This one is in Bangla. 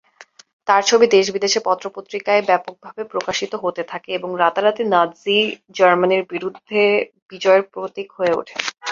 তার ছবি দেশ বিদেশের পত্র-পত্রিকায় ব্যাপকভাবে প্রকাশিত হতে থাকে, এবং রাতারাতি নাৎসি জার্মানির বিরুদ্ধে বিজয়ের প্রতীক হয়ে উঠেন।